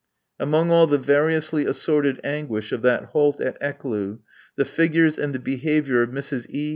Among all the variously assorted anguish of that halt at Ecloo the figures and the behaviour of Mrs. E.